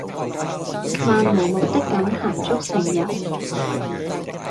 漫無目的咁行足成日